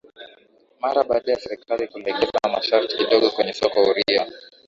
Mara baada ya serikali kulegeza masharti kidogo kwenye soko huria